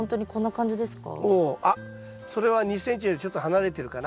あっそれは２ｃｍよりちょっと離れてるかな。